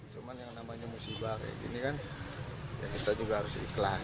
cuman yang namanya musibah kayak gini kan ya kita juga harus ikhlas